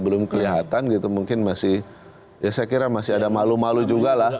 belum kelihatan gitu mungkin masih ya saya kira masih ada malu malu juga lah